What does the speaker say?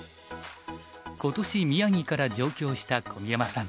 今年宮城から上京した小宮山さん